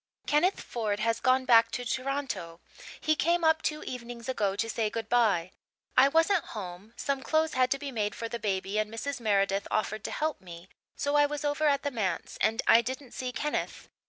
"Kenneth Ford has gone back to Toronto. He came up two evenings ago to say good bye. I wasn't home some clothes had to be made for the baby and Mrs. Meredith offered to help me, so I was over at the manse, and I didn't see Kenneth.